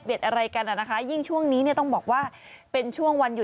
คือแบบไปกระซิบว่าขอนะแล้วเดี๋ยวไปแก้บนอะไรอย่างนี้